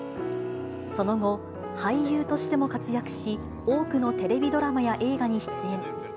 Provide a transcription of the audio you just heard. その後、俳優としても活躍し、多くのテレビドラマや映画に出演。